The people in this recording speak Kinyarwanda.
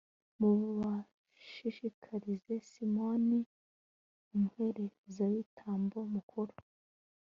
mubashyikirize simoni, umuherezabitambo mukuru